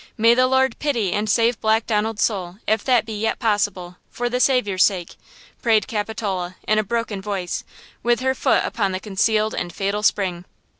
May the Lord pity and save Black Donald's soul, if that be yet possible, for the Saviour's sake!" prayed Capitola, in a broken voice, with her foot upon the concealed and fatal spring.